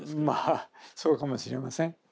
まあそうかもしれません。